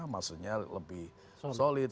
maksudnya lebih solid